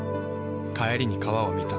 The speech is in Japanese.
帰りに川を見た。